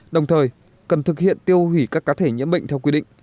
đồng thời cần thực hiện tiêu hủy các cá thể nhiễm bệnh theo quy định